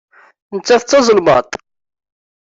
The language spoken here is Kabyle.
Nettat d tazelmaḍt.